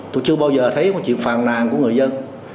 tôi chưa bao giờ thấy một chuyện phàn nàn của người dân